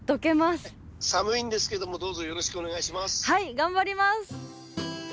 頑張ります！